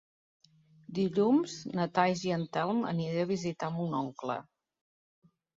Dilluns na Thaís i en Telm aniré a visitar mon oncle.